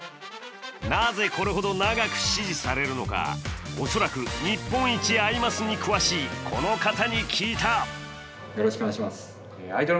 なぜ、これほど長く支持されるのかおそらく日本一「アイマス」に詳しいこの方に聞いた。